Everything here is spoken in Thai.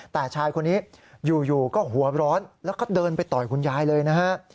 แต่ชายคนนี้อยู่ก็หัวร้อนแล้วก็เดินไปต่อยคุณยายเลยนะฮะ